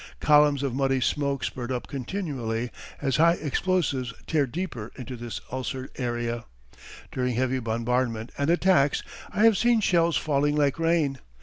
Columns of muddy smoke spurt up continually as high explosives tear deeper into this ulcered area. During heavy bombardment and attacks I have seen shells falling like rain.